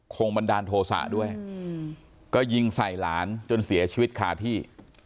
บันดาลโทษะด้วยก็ยิงใส่หลานจนเสียชีวิตคาที่